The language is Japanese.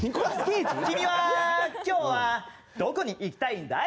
君は今日はどこに行きたいんだい？